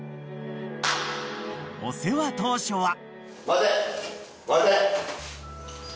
［お世話当初は］